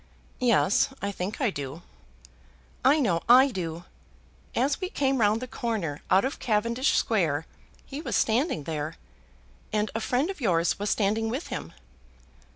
"Yes, I think I do." "I know I do. As we came round the corner out of Cavendish Square he was standing there, and a friend of yours was standing with him."